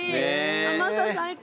甘さ最高。